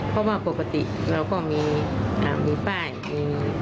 เพราะว่าปกติเราก็มีป้ายมีเท้าท้อง